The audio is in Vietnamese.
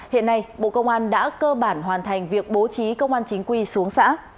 hiện nay bộ công an đã cơ bản hoàn thành việc bố trí công an chính quy xuống xã